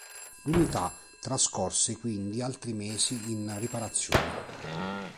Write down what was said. L'unità trascorse quindi altri mesi in riparazione.